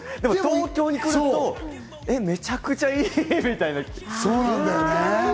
でも東京に来ると、めちゃくちゃいいみたいな。